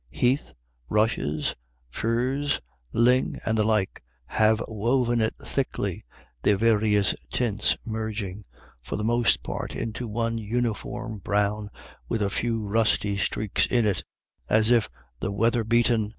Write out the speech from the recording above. Heath, rushes, furze, ling, and the like, have woven it thickly, their various tints merging, for the most part, into one uniform brown, with a few rusty streaks in it, as if the weather beaten 2 « 2 IRISH IDYLLS.